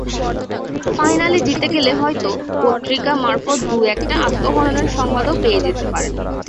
ফাইনালে জিতে গেলে হয়তো পত্রিকা মারফত দু-একটা আত্মহননের সংবাদও পেয়ে যেতে পারেন।